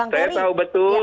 saya tahu betul